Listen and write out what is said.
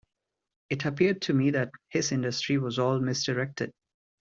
It appeared to me that his industry was all misdirected.